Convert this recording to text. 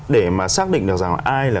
để mà xác định được rằng là ai là